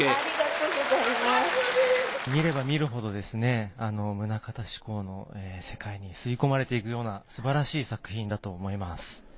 見れば見るほどですね棟方志功の世界に吸い込まれていくようなすばらしい作品だと思います。